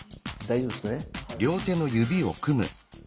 大丈夫ですね。